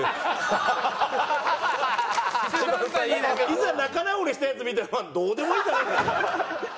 いざ仲直りしたやつ見たらまあどうでもいいかなみたいな。